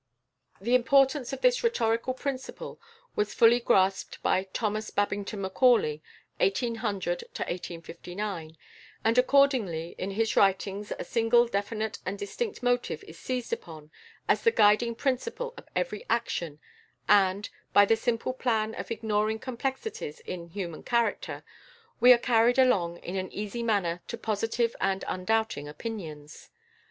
The importance of this rhetorical principle was fully grasped by =Thomas Babington Macaulay, (1800 1859)= and, accordingly, in his writings a single definite and distinct motive is seized upon as the guiding principle of every action, and, by the simple plan of ignoring complexities in human character, we are carried along in an easy manner to positive and undoubting opinions.